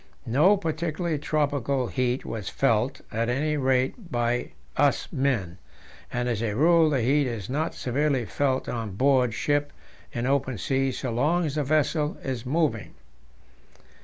No particularly tropical heat was felt, at any rate by us men; and as a rule the heat is not severely felt on board ship in open sea so long as the vessel is moving.